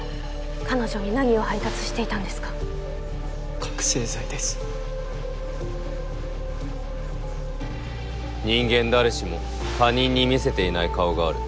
彼女に何を配達していたんですか覚せい剤です「人間誰しも他人に見せていない顔がある。